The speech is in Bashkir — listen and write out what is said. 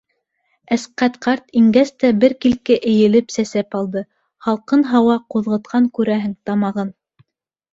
Әсҡәт ҡарт ингәс тә бер килке эйелеп сәсәп алды, һалҡын һауа ҡуҙғытҡан күрәһең тамағын.